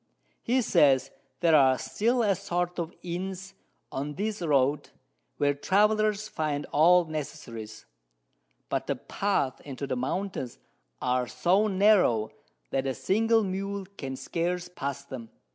He says, there are still a sort of Inns on this Road, where Travellers find all Necessaries; but the Paths into the Mountains are so narrow, that a single Mule can scarce pass them.